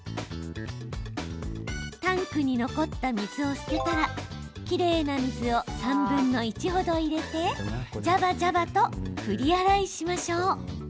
タンクに残った水を捨てたらきれいな水を３分の１程入れてじゃばじゃばと振り洗いしましょう。